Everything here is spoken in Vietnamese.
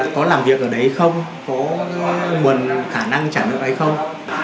có làm việc ở đấy không có nguồn khả năng trả nợ hay không